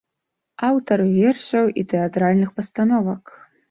Аўтар вершаў і тэатральных пастановак.